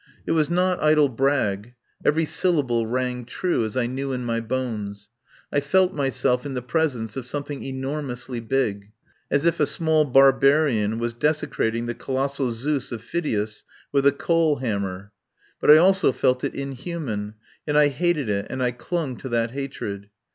It was not idle brag. Every syllable rang true, as I knew in my bones. I felt my self in the presence of something enormously big, as if a small barbarian was desecrating the colossal Zeus of Pheidias with a coal ham mer. But I also felt it inhuman, and I hated it and I clung to that hatred.